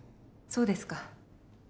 そうですか。